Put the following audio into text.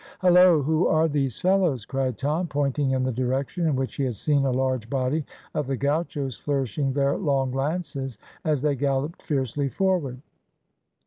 "Halloa! who are these fellows?" cried Tom, pointing in the direction in which he had seen a large body of the gauchos flourishing their long lances, as they galloped fiercely forward.